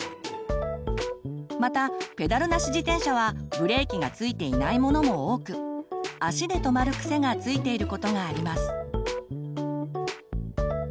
またペダルなし自転車はブレーキがついていないものも多く足で止まる癖がついていることがあります。